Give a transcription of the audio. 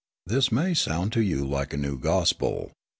This may sound to you like a new gospel.